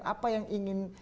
apa yang ingin diinginkan